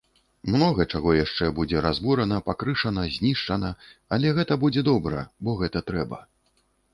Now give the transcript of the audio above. Многа чаго яшчэ будзе разбурана, пакрышана, знішчана, але гэта будзе добра, бо гэта трэба.